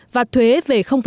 và thuế về